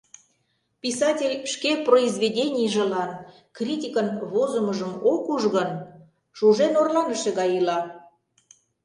Писатель шке произведенийжылан критикын возымыжым ок уж гын, шужен орланыше гай ила.